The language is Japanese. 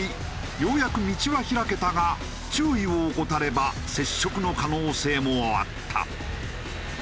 ようやく道は開けたが注意を怠れば接触の可能性もあった。